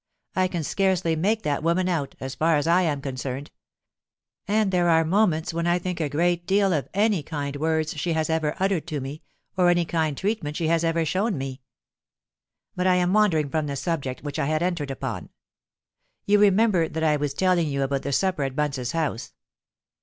I can scarcely make that woman out, as far as I am concerned; and there are moments when I think a great deal of any kind words she has ever uttered to me, or any kind treatment she has ever shown me. "But I am wandering from the subject which I had entered upon. You remember that I was telling you about the supper at Bunce's house.